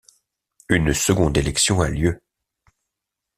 Une seconde élection a lieu.